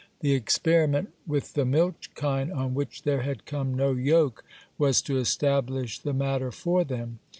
The experiment with the milch kine on which there had come no yoke was to establish the matter for them.